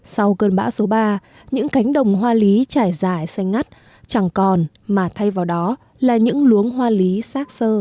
sau cơn bão số ba những cánh đồng hoa lý trải dài xanh ngắt chẳng còn mà thay vào đó là những luống hoa lý xác sơ